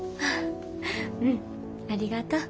うんありがとう。